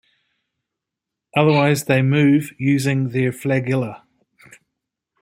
Otherwise they move using their flagella.